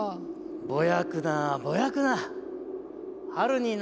ぼやくなぼやくな。